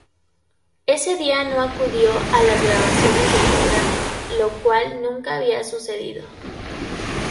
Ese día no acudió a las grabaciones del programa, lo cual nunca había sucedido.